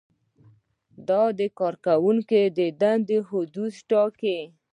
دا د کارکوونکو د دندو حدود ټاکي.